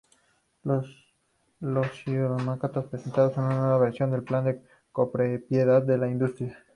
Los socialdemócratas presentaron una nueva versión del plan de copropiedad en la industria.